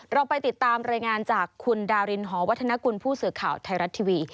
เราไปติดตามรายงานจากคุณดารินหอวัฒนกุลผู้สื่อข่าวไทยรัฐทีวี